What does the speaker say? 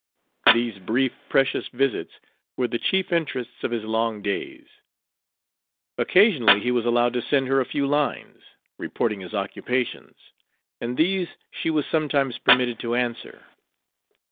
These brief, precious visits were the chief interests of his long days. Occasionally he was allowed to send her a few lines, reporting his occupations, and these she was sometimes permitted to answer.